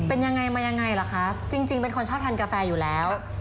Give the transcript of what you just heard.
เป็นยังไงมายังไงล่ะครับจริงเป็นคนชอบทานกาแฟอยู่แล้ว